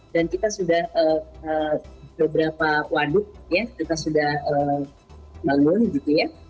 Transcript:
dan kita sudah beberapa waduk ya kita sudah melalui gitu ya